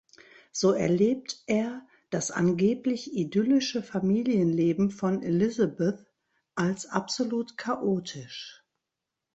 So erlebt er das angeblich idyllische Familienleben von Elizabeth als absolut chaotisch.